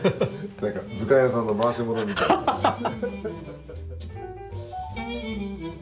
何か図鑑屋さんの回し者みたい。